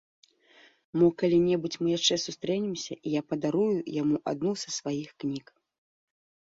Мо калі-небудзь мы яшчэ сустрэнемся, і я падарую яму адну са сваіх кніг.